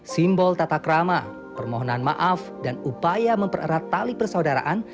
simbol tatakrama permohonan maaf dan upaya mempererat tali persaudaraan